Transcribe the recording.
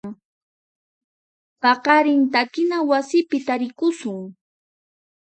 Paqarin takina wasipi tarikusun.